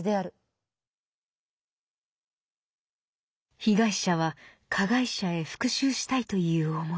被害者は加害者へ復讐したいという思い